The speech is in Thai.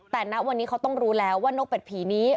แต่ณวันนี้เขาต้องรู้แล้วว่านกเป็ดผีนี้